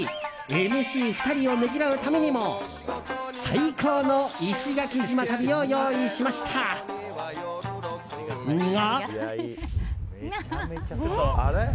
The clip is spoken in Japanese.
ＭＣ２人をねぎらうためにも最高の石垣島旅を用意しましたが。